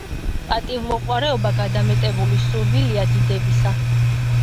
პატივმოყვარეობა გადამეტებული სურვილია დიდებისა.